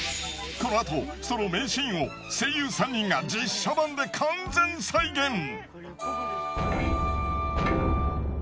このあとその名シーンを声優３人が実写版で完全再現。